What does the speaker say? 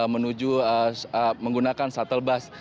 menuju menggunakan shuttle bus